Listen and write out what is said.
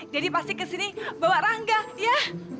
daddy pasti ke sini bawa rangga ya